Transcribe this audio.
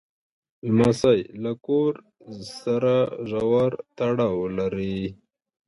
لمسی له کور سره ژور تړاو لري.